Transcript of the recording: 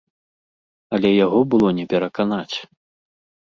Але яго было не пераканаць.